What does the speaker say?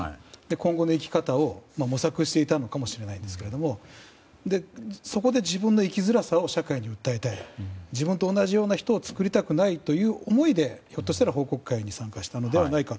今後の生き方を模索していたのかもしれないんですがそこで自分の生きづらさを社会に訴えたい自分と同じような人を作りたくないという思いでひょっとしたら報告会に参加したのではないか。